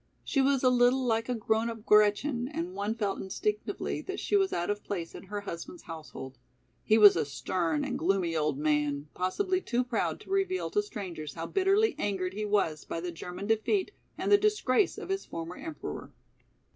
She was a little like a grown up Gretchen, and one felt instinctively that she was out of place in her husband's household. He was a stern and gloomy old man, possibly too proud to reveal to strangers how bitterly angered he was by the German defeat and the disgrace of his former emperor.